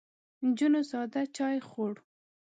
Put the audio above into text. نجونو ساده چای خوړ.